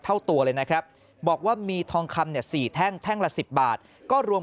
เท่าตัวเลยนะครับบอกว่ามีทองคำเนี่ย๔แท่งแท่งละ๑๐บาทก็รวม